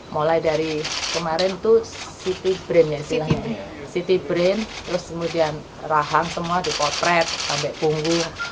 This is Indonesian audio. mulai dari kemarin itu ct brain terus kemudian rahang semua dikotret tambik punggung